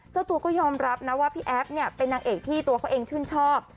เจ้าตัวก็ยอมรับนะว่าพี่แอฟเนี่ยเป็นนางเอกที่ตัวเขาเองชื่นชอบ